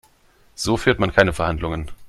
So führt man keine Verhandlungen.